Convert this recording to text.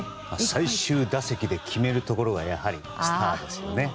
最終打席で決めるところがやはりスターですよね。